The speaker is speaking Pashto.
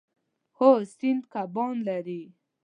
هو، سیند کبان لري